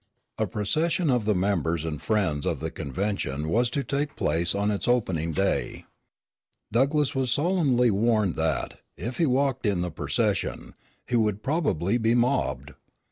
A procession of the members and friends of the convention was to take place on its opening day. Douglass was solemnly warned that, if he walked in the procession, he would probably be mobbed.